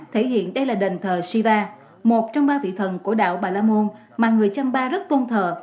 thể hiện đây là đền thờ shiva một trong ba vị thần của đạo bà la môn mà người champa rất tôn thờ